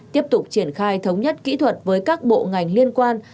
tiếp tục triển khai thống nhất kỹ thuật với các bộ ngành liên quan